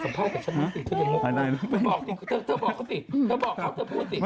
แล้วก็ขอพ้อนก็คือหยิบมาเลยค่ะพี่หมดำ